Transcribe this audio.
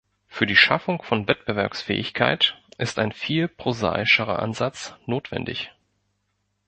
Für die Schaffung von Wettbewerbsfähigkeit ist ein viel prosaischerer Ansatz notwendig.